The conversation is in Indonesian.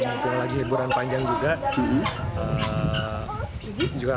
apalagi liburan panjang juga